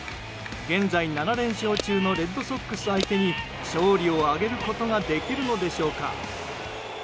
現在７連勝中のレッドソックス相手に勝利を挙げることができるのでしょうか。